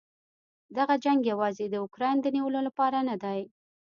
دغه جنګ یواځې د اوکراین د نیولو لپاره نه دی.